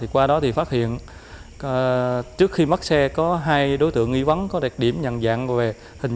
qua đó thì phát hiện trước khi mất xe có hai đối tượng nghi vấn có đặc điểm nhận dạng về hình